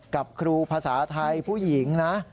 กับครูภาษาไทยผู้หญิงนะ